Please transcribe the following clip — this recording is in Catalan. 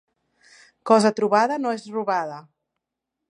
Cosa trobada no és robada.